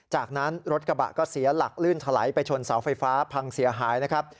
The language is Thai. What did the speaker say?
จากนั้นรถกระบะก็เสียหลักลื่นถลายไปชนเสาไฟฟ้าพังเสียหายนะครับ